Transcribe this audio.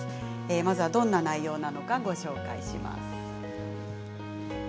まずはどんな内容なのかご紹介します。